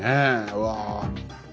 うわ。